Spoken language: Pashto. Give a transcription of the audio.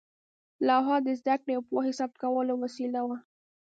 لوحه د زده کړې او پوهې ثبت کولو وسیله وه.